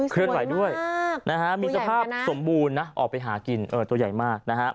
เคลื่อนไหวด้วยนะฮะมีสภาพสมบูรณ์นะออกไปหากินตัวใหญ่มากนะฮะ